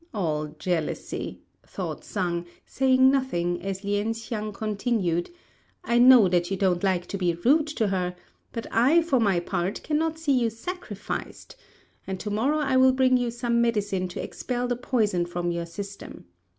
"All jealousy," thought Sang, saying nothing, as Lien hsiang continued, "I know that you don't like to be rude to her; but I, for my part, cannot see you sacrificed, and to morrow I will bring you some medicine to expel the poison from your system.